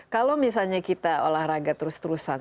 kalau misalnya kita olahraga terus terusan